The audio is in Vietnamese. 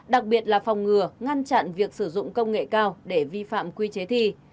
đặc biệt là phòng ngừa ngăn chặn việc sử dụng công nghệ cao để vi phạm quy chế thi